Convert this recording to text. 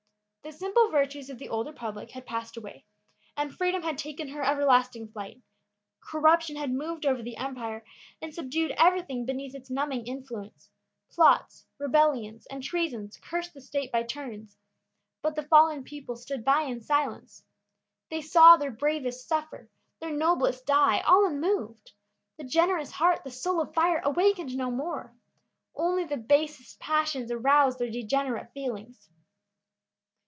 The simple virtues of the old republic had passed away, and freedom had taken her everlasting flight. Corruption had moved over the empire and subdued every thing beneath its numbing influence. Plots, rebellions, and treasons cursed the state by turns, but the fallen people stood by in silence. They saw their bravest suffer, their noblest die, all unmoved. The generous heart, the soul of fire, awaked no more. Only the basest passions aroused their degenerate feelings.